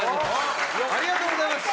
ありがとうございます。